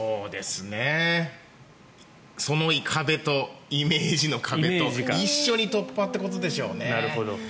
その壁とイメージの壁と一緒に突破ということでしょうね。